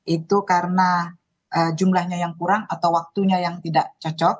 itu karena jumlahnya yang kurang atau waktunya yang tidak cocok